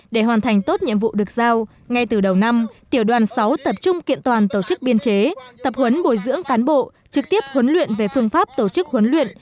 để hoàn thành tốt nhiệm vụ được giao ngay từ đầu năm tiểu đoàn sáu tập trung kiện toàn tổ chức biên chế tập huấn bồi dưỡng cán bộ trực tiếp huấn luyện về phương pháp tổ chức huấn luyện